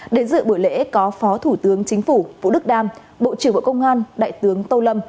đến dự buổi lễ có phó thủ tướng chính phủ vũ đức đam bộ trưởng bộ công an đại tướng tô lâm